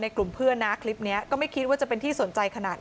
กลุ่มเพื่อนนะคลิปนี้ก็ไม่คิดว่าจะเป็นที่สนใจขนาดนั้น